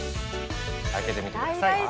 開けてみてください。